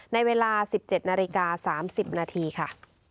ในเวลา๑๗นาฬิกา๓๐นาทีค่ะ